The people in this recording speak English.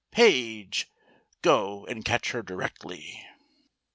Page, go and catch her directly."